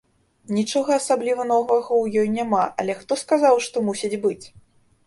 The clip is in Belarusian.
Нічога асабліва новага ў ёй няма, але хто сказаў, што мусіць быць?